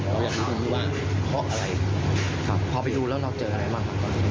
แล้วอย่างน้องที่ว่าเพราะอะไรครับพอไปดูแล้วเราเจออะไรมาก่อนหนึ่ง